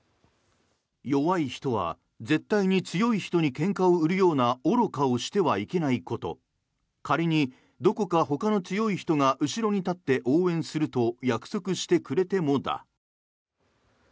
弱い人は絶対に強い人にけんかを売るような愚かをしてはいけないこと仮にどこかほかの強い人が後ろに立って応援すると約束してくれてもだ。